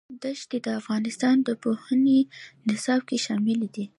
دښتې د افغانستان د پوهنې نصاب کې شامل دي.